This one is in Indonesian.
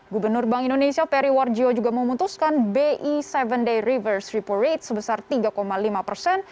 gubernur bank indonesia peri warjio juga memutuskan bi tujuh day reverse repo rate sebesar tiga lima persen